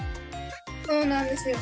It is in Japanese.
そうなんですよ。